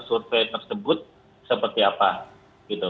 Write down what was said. survei tersebut seperti apa gitu